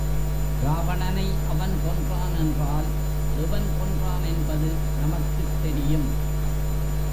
ராவணனை அவன் கொன்றான் என்றால் எவன் கொன்றான் என்பது நமக்குத் தெரியும்.